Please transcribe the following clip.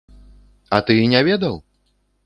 А ты і не ведаў?!